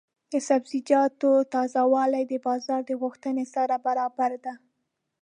د سبزیجاتو تازه والي د بازار د غوښتنې سره برابره ده.